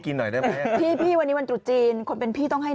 กินหน่อยได้มั้ยพี่วันนี้วันจุดจีนคนเป็นพี่ต้องให้